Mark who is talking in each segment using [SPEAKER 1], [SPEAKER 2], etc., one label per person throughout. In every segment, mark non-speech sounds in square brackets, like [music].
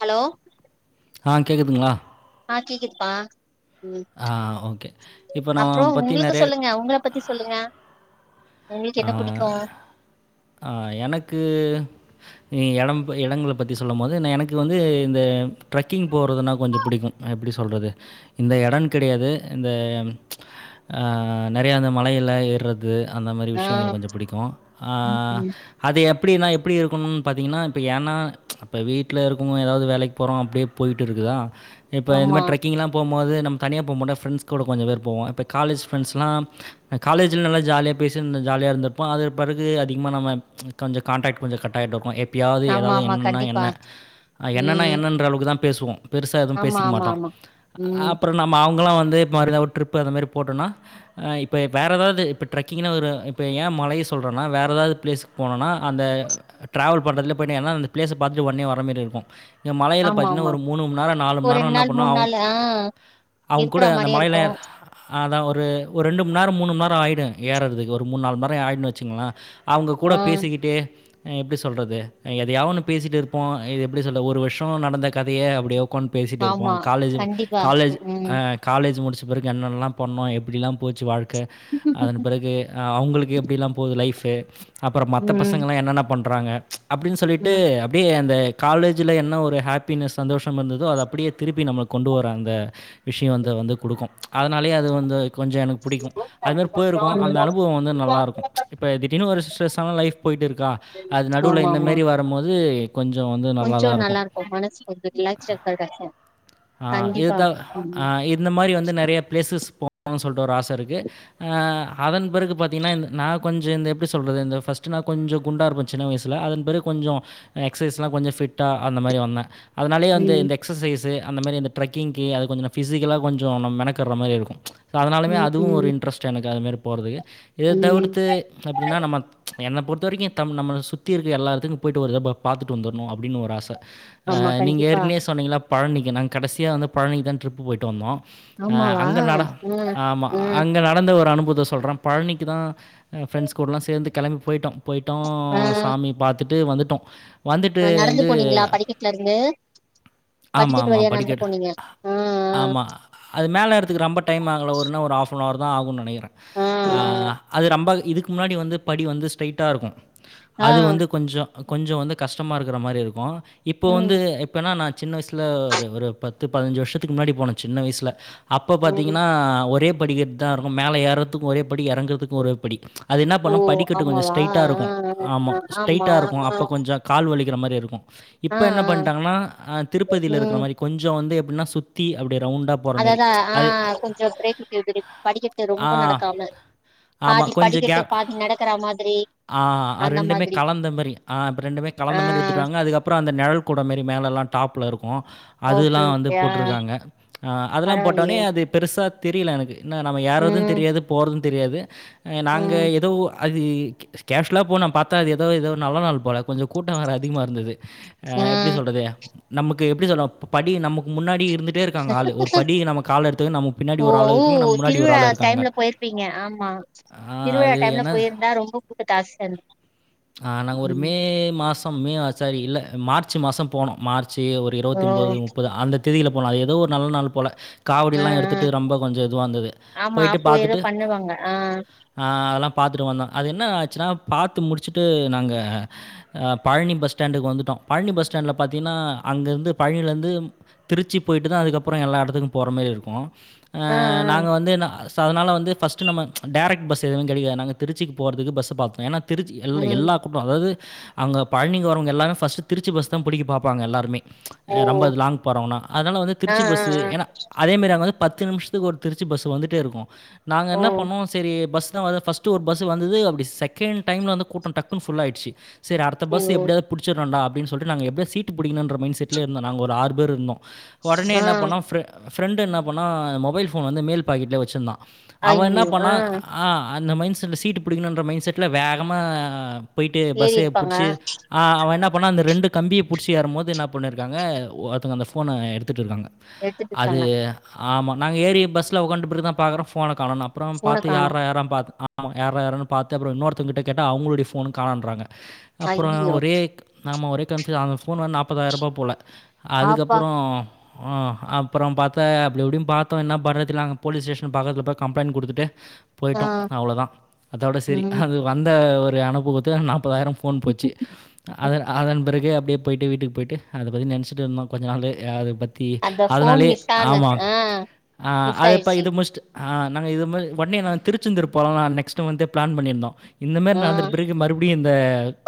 [SPEAKER 1] Hello
[SPEAKER 2] ஆ கேட்குதுங்களா
[SPEAKER 1] ஆ கேக்குதுப்பா ம்
[SPEAKER 2] ஆ ஓகே இப்போ
[SPEAKER 1] அப்பறோ
[SPEAKER 2] நான் பற்றி
[SPEAKER 1] உங்களுக்கு
[SPEAKER 2] நிறைய
[SPEAKER 1] சொல்லுங்க உங்கள பத் தி சொல்லுங்க உங்களுக்கு
[SPEAKER 2] ஆ,
[SPEAKER 1] என்ன புடிக்கு
[SPEAKER 2] ஆ எனக்கு எடம் எடங்கள பத்தி சொல்லும் போது எனக்கு வந்து இந்த ட்ரெக்கிங் போறதுன்னா கொஞ்சோ பிடிக்கு எப்படி சொல்றது இந்த எடன்னு கெடையாது இந்த அ நெறைய அந்த மலையில்ல எர்றது அந்த மாரி
[SPEAKER 1] ஆ
[SPEAKER 2] விஷயங்கள் கொஞ்சோ பிடிக்கோ ஆ
[SPEAKER 1] ம் ம்
[SPEAKER 2] அது எப்படின்னா எப்படி இருக்கணுன் பாத்திங்கன்னா இப்ப ஏன்னா அப்ப வீட்டுல இருக்கும் போது எதாவ்து வேலைக்கு போறோ அப்படியே போயிட்டு இருக்குதா இப்ப இந்த
[SPEAKER 1] ஆமா
[SPEAKER 2] மாரி ட்ரெக்கிங்லா போம்போது நம் தனியா போ மாட்ட ஃப்ரெண்ட்ஸ் கூட கொஞ்ச பேர் போவோ இப்ப காலேஜ் ஃப்ரெண்ட்ஸ்லா நா காலேஜ்ல நல்லா ஜாலியா பேசி இருந்த ஜாலியா இருந்தப்ப அதுக்கு பிற து அதிகமா நம்ம கொஞ்சோ கான்டெக்ட் கொஞ்சோ கட் ஆயிட்டு இருக்கோ எப் பயாவது
[SPEAKER 1] ஆமா
[SPEAKER 2] எதாவது
[SPEAKER 1] ஆமா
[SPEAKER 2] என்னென்னா
[SPEAKER 1] கண்டிப்பா
[SPEAKER 2] என்ன அ என்னென்னா
[SPEAKER 1] ம்
[SPEAKER 2] என்னன்ற அளவுக்கு தா பேசுவோ பெருசா எதுவு
[SPEAKER 1] ஆமா
[SPEAKER 2] பேசிக்க
[SPEAKER 1] ஆமா
[SPEAKER 2] மாட்டோ
[SPEAKER 1] ஆமா ம்
[SPEAKER 2] அப்புறோ நம்ம அவுங்களா வந்து இந்த மாரி ஏதாது ஒரு ட்ரிப்பு அந்த மாதிரி போட்டோனா அ இப்ப வேற ஏதாவது இப்ப ட்ரக்கிங்குனா ஒரு இப்ப ஏ மலைய சொல் றோனா வேற ஏதாது பிளேஸுக்கு போனோனா அந்த டிராவல் பண்றதுலே போயிடு ஏனா அந்த பிளேஸ பாத்துட்டு ஒட்னே வர மாரி இருக்கு இங்க மலையில
[SPEAKER 1] ஆமா
[SPEAKER 2] பாத்தீங்கன்னா
[SPEAKER 1] ஆமா
[SPEAKER 2] ஒரு மூணு மணி நேரம் நாலு மணி
[SPEAKER 1] ஒரு
[SPEAKER 2] நேரம்
[SPEAKER 1] ரெண்டு
[SPEAKER 2] என்ன
[SPEAKER 1] நாள்
[SPEAKER 2] பண்ணோ
[SPEAKER 1] மூணு
[SPEAKER 2] அவுங்
[SPEAKER 1] நாள் ஆ
[SPEAKER 2] அவுங்
[SPEAKER 1] இருக்கற
[SPEAKER 2] கூட அந்த
[SPEAKER 1] மாரியே
[SPEAKER 2] மலையில
[SPEAKER 1] இருக்கு
[SPEAKER 2] அதா ஒரு ஒரு ரெண்டு மணி நேரோ மூணு மணி நேரோ ஆயிடு ஏர்றதுக்கு ஒரு மூண் நால் மண் நேரோ ஆகிடுன்னு வச்சுங்களே அவுங்க கூட
[SPEAKER 1] ஆ
[SPEAKER 2] பேசிக்கிட்டே அ எப்படி சொல்றது எதயாவது ஒன்னு பேசிகிட்டு இருப்போ இது எப்படி சொல்ல ஒரு வருஷோ நடந்த கதய அப்படியே உக்காந்து பேசிட்டு இருப்போ
[SPEAKER 1] ஆமா
[SPEAKER 2] காலேஜ்
[SPEAKER 1] கண்டிப்பா
[SPEAKER 2] காலேஜ்
[SPEAKER 1] ம்
[SPEAKER 2] அ காலேஜ் முடிச்ச பிறகு என்னென்னலா பண்ணோ எப்படிலா போச்சு வாழ்க்க அதன் பிறகு ஆ அவுங்களுக்கு எப்படிலா போகுது லைஃபு அப்புறோ மத்த
[SPEAKER 1] ம்
[SPEAKER 2] பசங்கள்லா என்னென்ன பண்றாங்க அப்படின் சொல்லிட்டு
[SPEAKER 1] ம்
[SPEAKER 2] அப்படியே அந்த காலேஜில் என்ன ஒரு ஹாப்பினஸ் சந்தோஷம் இருந்ததோ அத அப்படியே திருப்பி நம்மள கொண்டு வரும் அந்த விஷயம் வந்து வந்து குடுக்கும் அதனாலயே அது வந்து கொஞ்சம் எனக்கு பிடிக்கும் அதுமாரி போயிருக்கும் அந்த அனுபவம் வந்து நல்லாயிருக்கும் இப்ப திடீர்ன்னு ஒரு ஸ்ட்ரெஸ் ஆனா லைஃப் போய்ட்டு இருக்கா அது நடுவுல இந்தமாரி வரும்போது கொஞ்சம் வந்து
[SPEAKER 1] கொஞ்சம் நல்லா இருக்கும் மனசு ரிலாக்ஸ் ஆ இருக்குறதுக்காக
[SPEAKER 2] ஆ இதுதா ஆ இந்த மாதிரி வந்து நிறைய ப்ளேஸஸ் போகணும்னு சொல்லிட்டு ஒரு ஆச ஆ இருக்குது அதன் பிறகு பாத்தீங்கன்னா இந்த நான் கொஞ்சம் இந்த எப்படி சொல்றது இந்த ஃபர்ஸ்டு நா கொஞ்சம் குண்டா இருப்ப சின்ன வயசுல அதன் பிறகு கொஞ்சம் எக்சசைஸ் எல்லா கொஞ்சம் ஃபிட்டா அந்த மாரி வந்தே அதனாலயே வந்து
[SPEAKER 1] ம்
[SPEAKER 2] இந்த எக்ஸசைஸு அந்த மாறி அந்த ட்ரக்கிங்கு அது கொஞ்சோ பிசிக்கல்லா கொஞ்சோ நம் மெனக்கடற மாறி இருக்கும் அதனாலமே
[SPEAKER 1] ம்
[SPEAKER 2] அதுவும் ஒரு
[SPEAKER 1] ம்
[SPEAKER 2] இன்ட்ரெஸ்ட் எனக்கு அதுமாரி போறதுக்கு இதை
[SPEAKER 1] ம்
[SPEAKER 2] தவிர்த்து அப்படின்னா நம்ம என்ன பொறுத்த வரைக்கும் நம்மள சுத்தி இருக்க எல்லா இடத்துக்கு போயிட்டு வர்றதா பா பாத்துட்டு வந்துரணும் அப்டினு ஒரு ஆசை ஆ
[SPEAKER 1] ஆமா
[SPEAKER 2] நீங்க
[SPEAKER 1] கண்டிப்பா
[SPEAKER 2] ஏற்கனவே சொன்னீங்கள பழனிக்கு நாங்க கடைசியாக வந்து பழனிக்கு தா ட்ரிப்பு போயிட்டு வந்தோ ஆ
[SPEAKER 1] ஆமாவா
[SPEAKER 2] அங்க நட
[SPEAKER 1] ம்
[SPEAKER 2] ஆமா
[SPEAKER 1] ம்
[SPEAKER 2] அங்க க நடந்த ஒரு அனுபவத்த சொல்றே பழனிக்கு தா ஃப்ரெண்ட்ஸ் கூடலா சேர்ந்து கிளம்பி போயிட்டோம் போயிட்டோ
[SPEAKER 1] ஆ
[SPEAKER 2] சாமி பாத்துட்டு வந்துட்டோம் வந்துட்டு
[SPEAKER 1] ஆ நடந்து
[SPEAKER 2] வந்து
[SPEAKER 1] போனீங்களா படிக்கட்டுல இருந்து
[SPEAKER 2] ஆமா
[SPEAKER 1] படிக்கட்டு
[SPEAKER 2] ஆமா
[SPEAKER 1] வழியா நடந்து
[SPEAKER 2] படிக்கட்
[SPEAKER 1] போனீங்க ஆ
[SPEAKER 2] ஆமா அது மேல ஏர்றத்துக்கு ரொம்ப டைம் ஆகும்ல ஒருனா ஒரு ஆஃப் அன் ஹவர் தா ஆகும்ன்னு நினைக்கிறே
[SPEAKER 1] ஆ
[SPEAKER 2] அது ரொம்ப இதுக்கு முன்னாடி வந்து படி வந்து ஸ்ட்ரைட்டா இருக்கும்
[SPEAKER 1] ஆ ஆ ஆ,
[SPEAKER 2] அது வந்து கொஞ்சோ கொஞ்சோ வந்து கஷ்டமா இருக்குற மாதிரி இருக்கும் இப்போ வந்து
[SPEAKER 1] ம்
[SPEAKER 2] இப்பனா நா சின்ன வயசுல ஒரு ஒரு பத்து பதினஞ்சு வருஷத்துக்கு முன்னாடி போன சின்ன வயசுல அப்ப
[SPEAKER 1] ம்
[SPEAKER 2] பாத்தீங்கன்னா ஒரே படிக்கட்டு தா இருக்கும் மேல ஏறுறதுக்கும் ஒரே படி இறங்குறதுக்கும் ஒரே படி அது என்ன
[SPEAKER 1] ஓ
[SPEAKER 2] பண்ணோ படிக்கட்டு கொஞ்சோ
[SPEAKER 1] ஆமாவா
[SPEAKER 2] ஸ்ட்ரைட்டா
[SPEAKER 1] ஆ
[SPEAKER 2] இருக்கும் ஆமா
[SPEAKER 1] ஆ ஆமா
[SPEAKER 2] ஸ்ட்ரைட்டா இருக்கும்
[SPEAKER 1] ஆ
[SPEAKER 2] அப்போ கொஞ்சம் கால் வலிக்கிற மாதிரி இருக்கும்
[SPEAKER 1] ஆ ஆ
[SPEAKER 2] இப்போ என்ன பண்ணிட்டாங்கன்னா திருப்பதியில இருக்குற
[SPEAKER 1] ம்
[SPEAKER 2] மாதிரி கொஞ்சோ வந்து எப்படின்னா சுத்தி அப்படி ரவுண்ட்டா
[SPEAKER 1] அதாதா ஆ கொஞ்சோ பிரேக்கிங் எடுத்துட்டு படிக்கட்டு
[SPEAKER 2] ஆ.
[SPEAKER 1] ரொம்ப நடக்காம
[SPEAKER 2] ஆமா.
[SPEAKER 1] பாதி
[SPEAKER 2] கொஞ்சம்
[SPEAKER 1] படிக்கட்டு
[SPEAKER 2] கேப்
[SPEAKER 1] பாதி நடக்கற மாதிரி
[SPEAKER 2] ஆ
[SPEAKER 1] அந்த
[SPEAKER 2] ரெண்டுமே
[SPEAKER 1] மாதிரி
[SPEAKER 2] கலந்த மாறி ஆ ரெண்டுமே
[SPEAKER 1] ஆ
[SPEAKER 2] கலந்த மாரி எடுத்துடுவாங்க அது அப்புறோ அந்த நிழல் கூட மாரி மேல எல்லா டாப்ல இருக்கும்
[SPEAKER 1] ஓகே
[SPEAKER 2] அதுலா வந்து
[SPEAKER 1] ஓகே ஆ
[SPEAKER 2] போட்ருக்காங்க அதெலா போட்டோனே
[SPEAKER 1] பரவாயில்லையே
[SPEAKER 2] அது பெருசா தெரியல எனக்கு இன்னா நம்ம ஏறது
[SPEAKER 1] ம்
[SPEAKER 2] தெரியாது போறது தெரியாது நாங்க
[SPEAKER 1] ம்
[SPEAKER 2] எதோ அது கேஷுவலா போனா பாத்தா அது எதோ எதோ நல்லா நாள் போல கொஞ்சொ கூட்டோ வேற அதிகமா இருந்துது அ
[SPEAKER 1] ஆ
[SPEAKER 2] எப்டி சொல்றது நமக்கு எப்டி சொல்ல படி நமக்கு முன்னாடி இருந்து ட்டே இருக்காங்க ஆளு ஒரு படி நம்ம கால எடுத்து வக்க நமக்கு பின்னாடி ஒரு ஆள் இருக்கங்க நம் முன்னாடி ஒரு ஆள் இருக்காங்க
[SPEAKER 1] ப்பீங்க ஆமா
[SPEAKER 2] அ
[SPEAKER 1] திருவிழா
[SPEAKER 2] அது
[SPEAKER 1] டைம்ல
[SPEAKER 2] என்ன
[SPEAKER 1] போயிருந்தா ரொம்போ கூட்டோ ஜாஸ்தியா இர்ந்து
[SPEAKER 2] அ நாங்க ஒரு
[SPEAKER 1] ம்
[SPEAKER 2] மே மாசம் மேவா சாரி இல்ல மார்ச் மாசம் போனோ மார்ச் ஒரு
[SPEAKER 1] ஓ
[SPEAKER 2] இருவத்தி ஒம்பொது முப்பது அந்த தெதில போனோ அது எதோ ஒரு நல்ல நாள் போல
[SPEAKER 1] ஆ
[SPEAKER 2] காவடில்லா
[SPEAKER 1] ஆ
[SPEAKER 2] எடுத்துட்டு ரொம்ப கொஞ்சொ இதுவா இருந்தது
[SPEAKER 1] ஆமா
[SPEAKER 2] போயிட்டு
[SPEAKER 1] அப்போ ஏதோ
[SPEAKER 2] பாத்துட்டு
[SPEAKER 1] பண்ணுவாங்க ஆ
[SPEAKER 2] ஆ அதெல்லா பாத்துட்டு வந்தோ அது என்ன ஆச்சுன்னா பாத்து முடிச்சுட்டு நாங்க அ பழனி பஸ் ஸ்டாண்டுக்கு வந்துட்டோ பழனி பஸ் ஸ்டாண்டு்ல பாத்தீங்கன்னா அங்கருந்து பழனிலந்து திருச்சி போயிட்டுதா அதுக்கப்பறோ எல்லா எடத்துக்கும் போற மாரி இருக்கூ அ
[SPEAKER 1] ஆ ஆ
[SPEAKER 2] நாங்க வந்து ந சோ அதனால வந்து ஃபஸ்ட்டு நம்ம டேரக் பஸ் எதுமே கெடைக்காது நாங்க திருச்சிக்கு போறதுக்கு பஸ் பாத்தோ ஏன்னா திருச்சி எல்
[SPEAKER 1] ம்
[SPEAKER 2] எல்லா க்குபோ அதாவ்து அங்க பழனிக்கு வரவங்க எல்லா ஃபர்ஸ்ட்டு திருச்சி பஸ்தா புடிக்க பாப்பாங்க எல்லாருமே
[SPEAKER 1] ஓ
[SPEAKER 2] எ ரொம்ப அது லாங் போறங்கொன்னா அதனால வந்து
[SPEAKER 1] ஆ
[SPEAKER 2] திருச்சி பஸ் து
[SPEAKER 1] ஆ ஆ
[SPEAKER 2] ஏனா அதே மாரி அங்க வந்து பத்து நிமிஷத்துக்கு ஒரு திருச்சி பஸ் வந்துட்டே இருக்கு நாங்க
[SPEAKER 1] ஓ
[SPEAKER 2] என்ன பண்ணுவோ எ பஸ்தா வரு ஃபர்ஸ்ட் ஒரு பஸ் வந்துது அப்டி செகண்ட் டைம்ல வந்து கூட்டோ டக்குன் ஃபுல் ஆயிடுச்சு சரி அடுத்த பஸ்
[SPEAKER 1] ஐயோ
[SPEAKER 2] எப்டியாவது புடிச்சிரணுன்டா அப்டின்னு சொல்ட்டு எப்டியாவது சீட் புடிக்கனுன்ற மைண்ட செட்ல இருந்தோ நாங்க ஒரு ஆறு பேர் இருந்தோ ஒடனே
[SPEAKER 1] ஆ
[SPEAKER 2] என்ன பண்ணோ ஃப்ரெ ஃப்ரெண்ட் என்ன பண்ணா மொபைல் போன் வந்து மேல் பாக்கெட்லே வச்சிருந்தா அவ என்ன
[SPEAKER 1] ஐயோ ஆ
[SPEAKER 2] பண்ணா ஆ அந்த மைண்ட்செட்ல சீட் புடிக்கணுன்ற மைண்ட்செட்ல வேகமா போயிட்டு
[SPEAKER 1] ஏறி
[SPEAKER 2] பஸ்ஸை
[SPEAKER 1] இருப்பாங்க
[SPEAKER 2] புடிச்சு அ அவெ என்ன பண்ணா அந்த ரெண்டு கம்பிய புடிச்சி ஏறும்போது என்ன பண்ணியிருக்காங்க ஒருதவங்க அந்த ஃபோன எடுத்துட்டுருக்காங்க
[SPEAKER 1] எடுத்துட்டு
[SPEAKER 2] அது
[SPEAKER 1] இருக்காங்க
[SPEAKER 2] ஆமா நாங்க ஏறி பஸ்ல உக்காந்டப்பறதா பாக்றோ ஃபோன காணோனு அப்றோ
[SPEAKER 1] ஃபோன
[SPEAKER 2] பாத்து
[SPEAKER 1] காணோ
[SPEAKER 2] யார்ரா யார்ரா பாத் ஆமா யார்ரா யார்ரானு பாத்து அப்றோ இன்னொருத்தவங்கிட்டே கேட்ட அவங்களுடைய போனு காணோன்றாங்க அப்றோ
[SPEAKER 1] ஐயயோ
[SPEAKER 2] ஒரே நாமா ஒரே கன்ஃப்யூஸ் அந்த ஃபோன் வந்து நாப்பதாயிரூபா போல
[SPEAKER 1] ஆப்பா
[SPEAKER 2] அதுக்கப்பறோ ஆ அப்புறோ பாத்த அப்டி இப்டி பாத்தோ என்னா பன்றதுனு தெர்ல நாங்க போலீஸ் ஸ்டேஷன் பக்கத்துல போய் கம்ப்ளைண்ட் குடுத்துட்டு
[SPEAKER 1] ஆ
[SPEAKER 2] போயிட்டோ அவ்ளோதா அதோட சரி
[SPEAKER 1] ம்
[SPEAKER 2] அது வந்த ஒரு அனுபவத்து நாப்பதாயிரொ ஃபோன் போச்சு அதன் அதன்பிறகு அப்டியே போயிட்டு வீட்டுக்கு போய்ட்டு அத பத்தி நெனச்சிட்டுருந்தோ கொஞ்ச நாளு அத பத் தி
[SPEAKER 1] அந்த ஃபோன்
[SPEAKER 2] அதனாலே
[SPEAKER 1] மிஸ் ஆன
[SPEAKER 2] ஆமா
[SPEAKER 1] ஆ
[SPEAKER 2] அ
[SPEAKER 1] மிஸ்
[SPEAKER 2] அதுப்போ
[SPEAKER 1] ஆயிடுச்சு
[SPEAKER 2] இது முடிச்ட்டு ஆ நாங்க இது மாரி ஒடனே நாங்க திருச்செந்துர் போலா நெக்ஸ்ட் மந்த்தே பிளான் பண்ணியிருந்தோ இந்த மாரி
[SPEAKER 1] ஆ
[SPEAKER 2] நடந்திட பிறகு மறுபடியு இந்த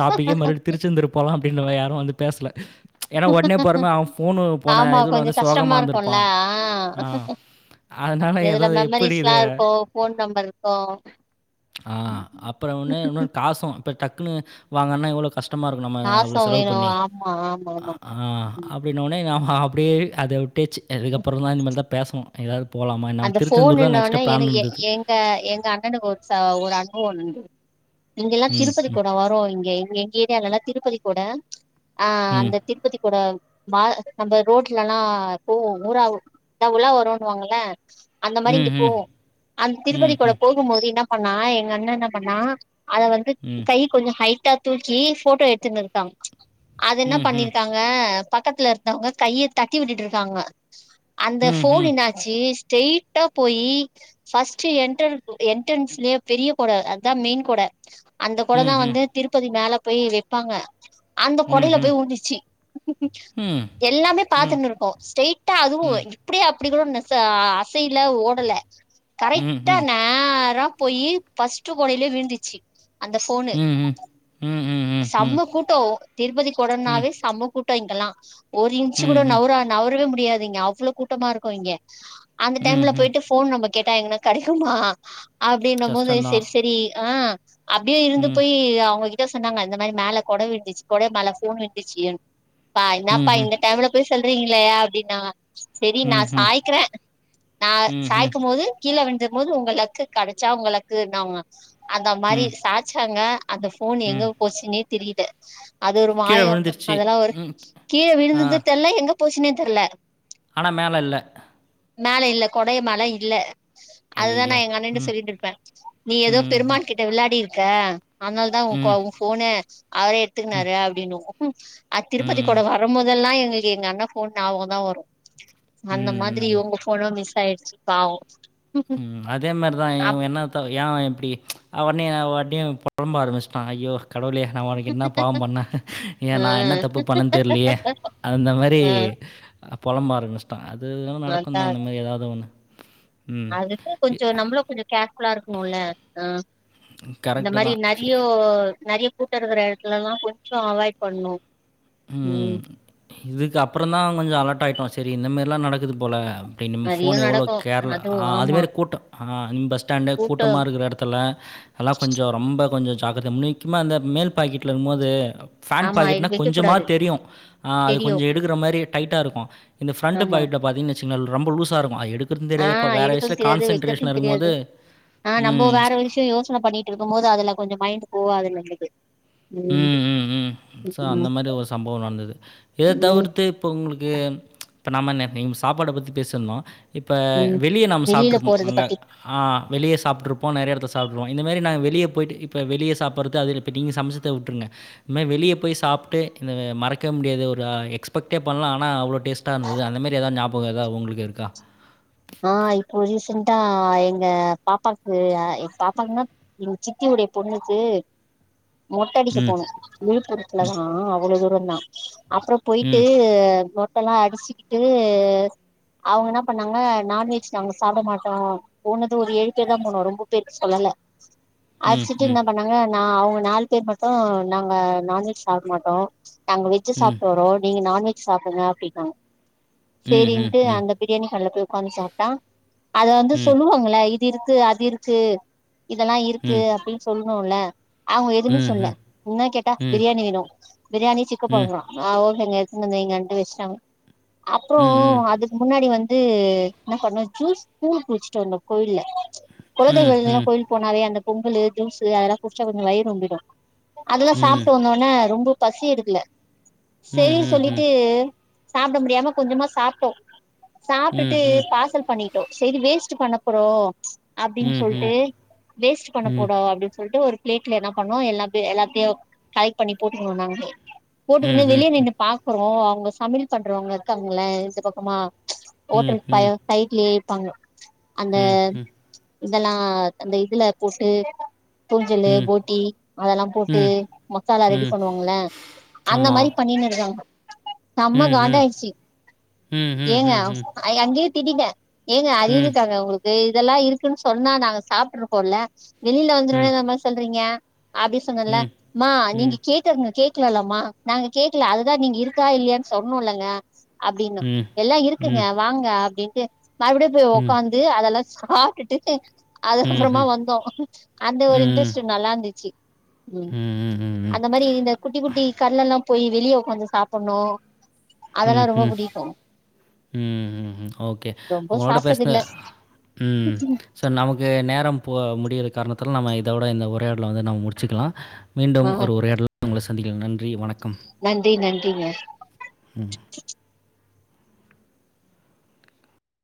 [SPEAKER 2] டாபிக்க மறுபடி திருச்செந்தூர் போலா அப்டின்னு யாரு வந்து பேசல ஏனா ஒடனே போறம அவெ போனு போன
[SPEAKER 1] ஆமா
[SPEAKER 2] இதுல
[SPEAKER 1] கொஞ்சோ
[SPEAKER 2] வந்து சோகமா
[SPEAKER 1] கஷ்டமா
[SPEAKER 2] இருந்திருப்பா
[SPEAKER 1] இருக்குல்ல
[SPEAKER 2] ஆ அதனால எதோ எப்டி இத
[SPEAKER 1] போன் நம்பர்ருக்கொ
[SPEAKER 2] ஆ அப்பறோ ஒன்னு இன்னொனு காசும் இப்போ டக்குன்னு வாங்கன்னா எவ்ளோ கஷ் டமா இருக்கு நம்ம அவ்ளோ
[SPEAKER 1] பாசோ
[SPEAKER 2] செலவு
[SPEAKER 1] வேணு
[SPEAKER 2] பண்ணி
[SPEAKER 1] ஆமா ஆமா ஆமா
[SPEAKER 2] ஆ
[SPEAKER 1] ம்.
[SPEAKER 2] அப்டின்னோனே நா அப்டியே அத விட்டச்சு அதுக்கப்புறதா இன்மேல்தா பேசனு எதாவ்து போலாமா என்னானு திருச்செந்தூர்தா நெக்ஸ்டு பிளான் இருந்தது
[SPEAKER 1] க எங்க அண்ணனுக்கு ஒர் ச ஒரு [inaudible] உண்டு இங்கெல்லா
[SPEAKER 2] ம், ம்,
[SPEAKER 1] திருப்பதிக்கொட வரு இங்கே இங்கே எங்க ஏரியாலலா திருப்பதிக்கொட ஆ
[SPEAKER 2] ம்,
[SPEAKER 1] அந்த திருப்பதிக்கொட மா அந்த ரோட்லல்லா போவு ஊறாவு த உலா வருன்னுவாங்கள அந்த மாரி இங்க போ
[SPEAKER 2] ம்ஹ்ம்.
[SPEAKER 1] அந்த திருப்பதிக்குள்ள
[SPEAKER 2] ம்ஹ்ம்.
[SPEAKER 1] போய் போம்போது இன்னா பண்ணா எங்க அண்ண என்ன பண்ணா அத வந்து
[SPEAKER 2] ம்.
[SPEAKER 1] கை கொஞ்ச கைட்டா தூக்கி போட்டோ எடுத்துன் இருக்காங் அது இன்ன
[SPEAKER 2] ம்ஹ்ம்.
[SPEAKER 1] பண்ணிருக்கா ங்க பக்கத்துல இருந்தவங்க கைய தட்டி விட்டுட்டு இருக்காங்க அந்த ஃபோனு
[SPEAKER 2] ம்ஹ்ம்.
[SPEAKER 1] இன்னா ச்சு ஸ்ரெய்ட்டா போயி ஃபஸ்ட் என்ட என்டன்ஸ்லயே பெரிய கொட அத்தா மெயின் கொட அந்த கொட தா
[SPEAKER 2] ம்ஹ்ம்.
[SPEAKER 1] வந்து திருப்பதி மேல போய் வெப்பாங்க அந்த கொடய்ல
[SPEAKER 2] ம்ஹ்ம்.
[SPEAKER 1] போய் உழுந்துச்சி
[SPEAKER 2] ம்.
[SPEAKER 1] எல்லாமே
[SPEAKER 2] ம்.
[SPEAKER 1] பாத்துன்னு இருக்கோ ஸ்ரெய்ட்டா அதுவு
[SPEAKER 2] ம்.
[SPEAKER 1] இப்டி அப்டி கூட நிஸ் அ சைல ஓடல கரெக்டா
[SPEAKER 2] ம்ஹ்ம்.
[SPEAKER 1] நேர போயி ஃபஸ்ட்டு கொடையிலே விழுந்துச்சி அந்த ஃபோனு
[SPEAKER 2] ம்ஹ்ம். ம். ம். ம்.
[SPEAKER 1] செம்ம கூட்டோ திருப்பதி
[SPEAKER 2] ம். ம்.
[SPEAKER 1] கொடனாவே செம்ம கூட் டோ இங்கெல்லா ஒரு இன்ச்சு கூட
[SPEAKER 2] ம்ஹ்ம்.
[SPEAKER 1] நவுரா நவுரவே முடியாதுங்க அவ்ளவு கூட்டமா இருக்கு இங்க அந்த டைம்ல
[SPEAKER 2] ம்ஹ்ம்.
[SPEAKER 1] போயிட்டு ஃபோன் நம்ம கேட்டா எங்கனா கெடைக்குமா அப்டின்னம்போது
[SPEAKER 2] கஷ்டம் தான்.
[SPEAKER 1] செரி செரி ஆ அப்டியே இருந்து
[SPEAKER 2] ம்
[SPEAKER 1] போய் அவங்ககி ட்ட சொன்னாங்க இந்த மாரி மேல கொட விழுந்துச்சு கொட மேல ஃபோன் விழுந்துச்சின் பா என்னாப்பா
[SPEAKER 2] ம்ஹ்ம்.
[SPEAKER 1] இந்த டைம்ல போய் சொல்றீங்ளே அப்டின்னாங்க செரி நா
[SPEAKER 2] ம்ஹ்ம்.
[SPEAKER 1] சாய்க்கிறே நா
[SPEAKER 2] ம்ஹ்ம்.
[SPEAKER 1] சாய்கும் போது கீழே விழுந்துரும் போது உங்க லக்கு கடைச்சா உங்க லக்குன்னாங்க அந்த மாரி
[SPEAKER 2] ம்.
[SPEAKER 1] சாச்சாங்க அந்த ஃபோன்
[SPEAKER 2] ம்.
[SPEAKER 1] எங்க போச்சுன்னே தெரில அது ஒரு
[SPEAKER 2] கீழ
[SPEAKER 1] மாயோ
[SPEAKER 2] விழுந்துருச்சு.
[SPEAKER 1] அதெல்லா ஒரு
[SPEAKER 2] ம்.
[SPEAKER 1] கீழ
[SPEAKER 2] ஆ.
[SPEAKER 1] விழுந்தது எங்க போச்சுன்னே தெர்ல
[SPEAKER 2] ஆனா மேல இல்ல
[SPEAKER 1] மேல இல்ல கொடய மேல இல்ல அதுதா நா
[SPEAKER 2] ஐயய்யோ!
[SPEAKER 1] எங்கண்ணட்ட
[SPEAKER 2] ம்.
[SPEAKER 1] சொல்லிட்டு இருப்பே நீ எதோ
[SPEAKER 2] ம்ஹ்ம்.
[SPEAKER 1] பெருமாள்கிட்ட வெளாடிருக்க அதனால தா உங்கோ
[SPEAKER 2] ம்.
[SPEAKER 1] உ ஃபோன அவரே எடுத்துக்குன்னாரு அப்டின்னுவோ அ திருப்பதி
[SPEAKER 2] ம்.
[SPEAKER 1] கூட வரும்போது எல்லா எங்களுக்கு எங்கண்ண ஃபோன் ஞாபகோந்தா வரு அந்த
[SPEAKER 2] ம்.
[SPEAKER 1] மாத்ரி
[SPEAKER 2] ம்.
[SPEAKER 1] இவுங்க ஃபோனு மிஸ் ஆயிடுச்சி பாவோ
[SPEAKER 2] ம் அதே மாரிதா
[SPEAKER 1] அப்
[SPEAKER 2] இவ்ங் என்னாத்த ஏ இப்டி அ உட்னே அ பாட்டியு பொழம்ப ஆரம்பிச்சுட்டாங்க ஐயோ கடவுளே நா உனக்கு என்ன பாவ் பண்ணே ஏ
[SPEAKER 1] ஆ
[SPEAKER 2] நா என்ன தப்பு பண்ணே தெர்லியே அந்த மாரி
[SPEAKER 1] ஆ
[SPEAKER 2] அ பொலம்ப ஆரம்பிச் அது அதுல்லா
[SPEAKER 1] அதா
[SPEAKER 2] நடக்குந்தா அந்தமாரி எதாவ்து ஒன்னு
[SPEAKER 1] அதுக்கு கொஞ்சோ நம்மளு கொஞ்சோ கேர்ஃபுல்லா இருக்கணுல்ல ஆ இந்த
[SPEAKER 2] கரெக்ட்டு
[SPEAKER 1] மாரி
[SPEAKER 2] தான். சே
[SPEAKER 1] நெறையோ நெறய கூட்ட இருக்கற எடத்துலல்லா கொஞ்சோ அவாய்ட் பண்ணு
[SPEAKER 2] ம் இதுக்கு அப்பறந்தா கொஞ்சோ அலட் ஆயிட்டோ செரி இந்தமாரில்லா நடக்குது போல அப்டின்
[SPEAKER 1] நெறைய
[SPEAKER 2] ஃபோன எவ்ளோ
[SPEAKER 1] நடக்கு
[SPEAKER 2] கேர்ல
[SPEAKER 1] அதுவு
[SPEAKER 2] அ
[SPEAKER 1] ஆமா
[SPEAKER 2] அதுமாரி கூட்டோ அ இந் பஸ் ஸ்டாண்டு
[SPEAKER 1] கூட்டோ
[SPEAKER 2] கூட்டமா இருக்கிற எடத் துல எல்லா கொஞ்சோ ரொம்ப கொஞ்சோ ஜாக்கிரதயா முக்கிமா அந்த மேல் பாக்கெட்ல இருக்கும்போது ஃபேன்ட்
[SPEAKER 1] ஆமா இது
[SPEAKER 2] பாக்கெட்னா
[SPEAKER 1] வைக்க
[SPEAKER 2] கொஞ்சமாத்
[SPEAKER 1] கூடாது
[SPEAKER 2] தெரியு அ அது
[SPEAKER 1] தெரியு
[SPEAKER 2] கொஞ்ச எடுக்கிற மாரி டைட்டா இருக்கு இந்த ஃபிரண்ட்டு
[SPEAKER 1] ஆமா
[SPEAKER 2] பாக்கெட்ல பாத்தீங்கன் சின்னல் ரொம்ப லூஸா இருக்கு ஆ எடுத்
[SPEAKER 1] ஆ எடுக்கறது தெரியாது வைக்கறது தெரியாது
[SPEAKER 2] இருக்கும்போது,
[SPEAKER 1] ஆ நம்ம
[SPEAKER 2] ம்.
[SPEAKER 1] வேற விஷ்ய யோசன பண்ணிட்ருக்கும் போது அதுல கொஞ்ச மைண்ட் போகாது நம்மளுக்கு ம்
[SPEAKER 2] சோ அந்த
[SPEAKER 1] ம்
[SPEAKER 2] மாரி ஒரு சம்பவோ நடந்தது இத
[SPEAKER 1] ம்
[SPEAKER 2] தவிர்த் பே இப்போ உங்களுக்கு இப்ப நாம்ம என்ன நீ சாப்பாட பத்தி பேசிருந்தோ இப்போ
[SPEAKER 1] ம்
[SPEAKER 2] வெளிய நம்ம
[SPEAKER 1] வெளியில
[SPEAKER 2] சாப்ட்ருப்போ
[SPEAKER 1] போறது
[SPEAKER 2] அங்க
[SPEAKER 1] பத்தி
[SPEAKER 2] ஆ வெளிய சாப்ட்ருப்போ நெறய எடத்துல சாப்ட்ருப்போ இந்த மாரி நாங்க வெளிய போயிட்டு இப்ப வெளிய சாப்பட்றது அதுல்ல இப்ப நீங்க சமச் த்த உட்ருங்க இந்மேரி வெளிய போய் சாப்ட்டு இந்த மறக்கவே முடியாது ஒரு எக்ஸ்பெக்டே பண்ல ஆனா அவ்ளோ டேஸ்டா இருந்தது அந்த மாரி எதாவ்து ஞா பகோ எதா உங்களுக்கு இருக்கா
[SPEAKER 1] ஆ இப்போ ரீசென்டா எங்க பாப்பாக்கு எங் பாப்பாகுன்னா எங்க சித்தியுடைய பொண்ணுக்கு மொட்டடிக்க
[SPEAKER 2] ம்.
[SPEAKER 1] போனோ விழுப்புரத்துலதா அவ்ள தூரந்தா அப்பறம் போயிட்டு
[SPEAKER 2] ம்.
[SPEAKER 1] மொட்டல்லா அடிச்சிக்கிட்டு அவங்க என்ன பண்ணாங்க நான்வெஜ் நாங்க சாப்ட மாட்டோ போனது ஒரு ஏழு பேருதா போனோ ரொம்ப பேர்க்கு சொல்லல
[SPEAKER 2] ம்.
[SPEAKER 1] அடிச்சிட்டு
[SPEAKER 2] ம்.
[SPEAKER 1] என்ன பண்ணாங்க நா அவங்க நாலு பேர் மட்டு நாங்க நான்வெஜ் சாப்ட மாட்டோ நாங்க வெஜ்
[SPEAKER 2] ம்.
[SPEAKER 1] சாப்ட்டு வர்றோ நீங்க நான்வெஜ் சாப்டுங்க அப்டின்னாங்க
[SPEAKER 2] ம்.
[SPEAKER 1] செரின்டு
[SPEAKER 2] ம். ம்.
[SPEAKER 1] அந்தப் பிரியாணி கால்ல போய் ஒக்காந்து சாப்ட்டா அத வந்து
[SPEAKER 2] ம்.
[SPEAKER 1] சொல்லுவாங்கல்ல இது இருக்கு அது இருக்கு இதெல்லா இருக்கு
[SPEAKER 2] ம்.
[SPEAKER 1] அப்டின்னு சொல்லணுல்ல அவுங்க எதுவுமே
[SPEAKER 2] ம்.
[SPEAKER 1] சொல்லல
[SPEAKER 2] ம்.
[SPEAKER 1] என்னா கேட்டா
[SPEAKER 2] ம்.
[SPEAKER 1] பிரியாணி வேணு பிரியாணி சிக்க
[SPEAKER 2] ம் ம்
[SPEAKER 1] போட்றா அவுங்க இங்க எத்துன்னு வந்து வைங்கன்டு வச்சட்டாங்க அப்றோ
[SPEAKER 2] ம்
[SPEAKER 1] அதுக்கு முன்னாடி வந்து என்ன பண்ணோ ஜூஸ் கூலு குடிச்சுட்டு வந்தோ கோயில்ல குலதெய்வ
[SPEAKER 2] ம்
[SPEAKER 1] கோயில்னா
[SPEAKER 2] ம்
[SPEAKER 1] கோயில் போனாவே அந்த பொங்கலு ஜூஸ் அதெல்லா குடிச்சா கொஞ்சோ வயிறு ரொம்பிடு அதெல்லா
[SPEAKER 2] ம் ம்
[SPEAKER 1] சாப்ட்டு வந்த ஒன் ன ரொம்ப பசி எடுக்கல
[SPEAKER 2] ம்
[SPEAKER 1] செரி
[SPEAKER 2] ம் ம்
[SPEAKER 1] சொல்லிட்டு சாப்ட முடியாம கொஞ்சமா சாப்ட்டோ சாப்டுட்
[SPEAKER 2] ம் ம்
[SPEAKER 1] பார்சல் பண்ணிட்டோ செரி வேஸ்ட் பண்ண போறோ
[SPEAKER 2] ம்
[SPEAKER 1] அப்டின்னு
[SPEAKER 2] ம் ம்
[SPEAKER 1] சொல்ட்டு வேஸ்ட் பண்ண
[SPEAKER 2] ம்
[SPEAKER 1] கூடாது அப்டின்னு சொல்ட்டு ஒரு பிளேட்ல என்ன பண்ணோ எல்லா எல்லாத்தயு கலெக்ட் பண்ணி போட்டுக்குனோ நாங்களே
[SPEAKER 2] ம்
[SPEAKER 1] போட்டுக்குனு வெளிய
[SPEAKER 2] ம்
[SPEAKER 1] நின்னு பாக் குறோ அவங்க சமையல் பண்றவங்க இருக்காங்கள இந்த பக்கமா ஓட்டல் ப சைட்லயே இருப்பாங்க அந்த இதெல்லா அந்த இதுல போட்டு
[SPEAKER 2] ம்
[SPEAKER 1] தூஞ்சல்லு
[SPEAKER 2] ம்
[SPEAKER 1] போட்டி அதெல்லா போட்டு
[SPEAKER 2] ம்
[SPEAKER 1] மசாலா ரெடி
[SPEAKER 2] ம்
[SPEAKER 1] பண்ணுவாங்கல்ல அந்த
[SPEAKER 2] ஆமாம்
[SPEAKER 1] மாரி பண்ணின்னு இருக்காங்க செமா
[SPEAKER 2] ம் ம்
[SPEAKER 1] காண்ட ஆயிட்ச்சி
[SPEAKER 2] ம் ம் ம்
[SPEAKER 1] ஏங்க
[SPEAKER 2] ம் ம்
[SPEAKER 1] அங்கயே திட்டிட்டே ஏங்க
[SPEAKER 2] ம் ம்
[SPEAKER 1] அறிவிருக்காங்க உங்களுக்கு இதெல்லா இருக்குன்னு சொன்னா நாங்க சாப்ட்டுருப்போல வெளில வந்துரு
[SPEAKER 2] ம் ம் ம்
[SPEAKER 1] ஒன்னே இந்த மாரி சொல்றீங்க அப்டி சொன்னேன்ல
[SPEAKER 2] ம் ம்
[SPEAKER 1] ம்மா
[SPEAKER 2] ம்
[SPEAKER 1] நீங்க கேக் கனு கேக்கல இல்லம்மா நாங்க கேக்கல அதுதா நீங்க இருக்கா இல்லையான்னு சொல்லனுல்லங்க அப்டின்னோ
[SPEAKER 2] ம் ம்
[SPEAKER 1] எல்லா இருக்குங்க
[SPEAKER 2] ம்
[SPEAKER 1] வாங்க அப்டின்ட்டு மறுபடியு போய் உக்காந் து அதெல்லா சாப்ட்டுட்டு அதுக்கப்பறமா வந்தோ அந்த ஒரு இன்ட்ரெஸ் ட் நல்லா இருந்துச்சு ம் அந்த மாரி இந்த குட்டி குட்டி கடைலல்லா போய் வெளிய ஒக்காந்து சாப்ட்ணு
[SPEAKER 2] ம் ம் ம் ஓகே
[SPEAKER 1] ரொம்ப
[SPEAKER 2] ஒங்களோட பேசுனது
[SPEAKER 1] சாப்ட்டதில்ல
[SPEAKER 2] ம் ஸோ நமக்கு நேரம் போ முடியிற காரணத்தால நம்ம இதோட இந்த உரையாடல வந்து நம்ம முடிச்சிக்கலா மீண்டும்
[SPEAKER 1] ஆ
[SPEAKER 2] ஒரு உரையாடல்ல உங்கள சந்திக்கலா நன்றி வணக்கம்
[SPEAKER 1] நன்றி நன்றிங்க
[SPEAKER 2] ம்